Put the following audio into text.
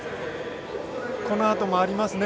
このあともありますね。